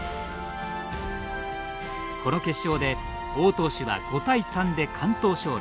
この決勝で王投手は５対３で完投勝利。